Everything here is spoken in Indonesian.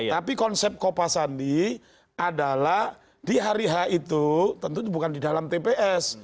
tapi konsep kopasandi adalah di hari h itu tentu bukan di dalam tps